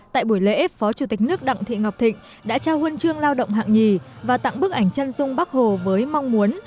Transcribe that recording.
tại buổi lễ phó chủ tịch nước đặng thị ngọc thịnh đã trao huân chương lao động hạng nhì và tặng bức ảnh chân dung bắc hồ với mong muốn